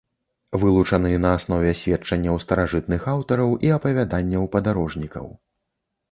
Вылучаны на аснове сведчанняў старажытных аўтараў і апавяданняў падарожнікаў.